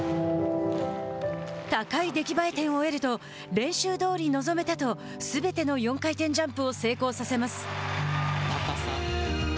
高い出来栄え点を得ると練習どおり臨めたとすべての４回転ジャンプを成功させます。